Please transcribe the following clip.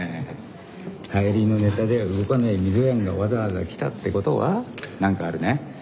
はやりのネタでは動かない溝やんがわざわざ来たってことは何かあるね？